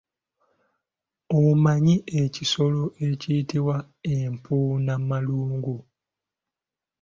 Omanyi ekisolo ekiyitibwa empuuna malungu?